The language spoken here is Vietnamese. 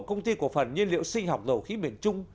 công ty cổ phần nhiên liệu sinh học dầu khí miền trung